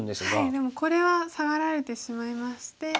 でもこれはサガられてしまいまして。